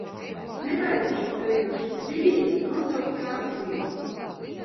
Es nebaidīšos arī no šīs tribīnes nosaukt tās lietas.